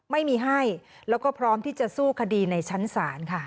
ไม่มีให้แล้วก็พร้อมที่จะสู้คดีในชั้นศาลค่ะ